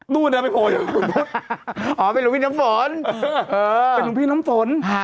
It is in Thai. ไปโผล่อยู่อ๋อเป็นหลวงพี่น้ำฝนเป็นหลวงพี่น้ำฝน